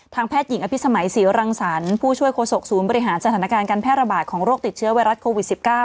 แพทย์หญิงอภิษมัยศรีรังสรรค์ผู้ช่วยโฆษกศูนย์บริหารสถานการณ์การแพร่ระบาดของโรคติดเชื้อไวรัสโควิด๑๙